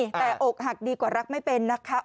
แต่อกหักดีกว่ารักไม่เป็นนะคะ